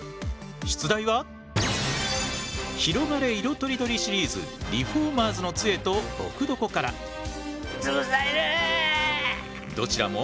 出題は「ひろがれ！いろとりどり」シリーズ「リフォーマーズの杖」と「ぼくドコ」から。